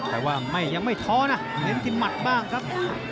แต่ว่ายังไม่ท้อนะเน้นที่หมัดบ้างครับ